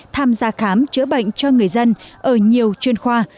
tham gia khám chữa bệnh cho người dân ở nhiều chuyên khoa